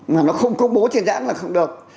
mà nó không công bố trên dãn là không được